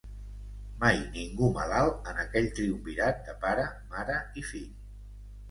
Mai ningú malalt en aquell triunvirat de pare, mare i fill